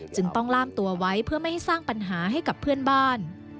จึงต้องล่ามตัวไว้เพื่อไม่ให้สร้างปัญหาให้กับเพื่อนบ้าน